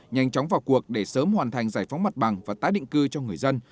nhanh chóng vào cuộc để sớm hoàn thành giải phóng mặt bằng và tái định cư cho người dân